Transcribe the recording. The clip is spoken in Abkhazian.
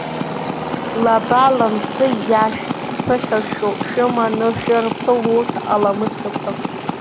Лаба-ламсы иаашәԥыхьашәо шәыманы шәырԥыл урҭ аламысдақәа.